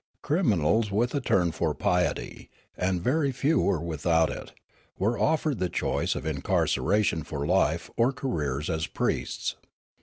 Criminals with a turn for piety — and very few were without it — were offered the choice of incarceration for life or careers as priests.